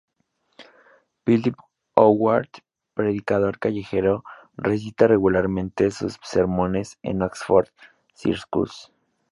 Philip Howard, predicador callejero, recita regularmente sus sermones en Oxford Circus.